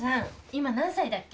今何歳だっけ？